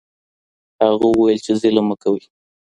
هغه وويل چي ظلم مه کوئ.